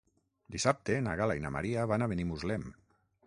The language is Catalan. Dissabte na Gal·la i na Maria van a Benimuslem.